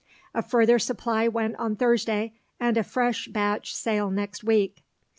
A further supply went on Thursday, and a fresh batch sail next week.